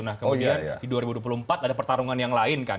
nah kemudian di dua ribu dua puluh empat ada pertarungan yang lain kan